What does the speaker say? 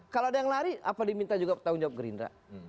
kalau ada yang lari apa diminta juga tanggung jawab gerindra